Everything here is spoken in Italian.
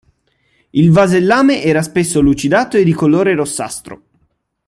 Il vasellame era spesso lucidato e di colore rossastro.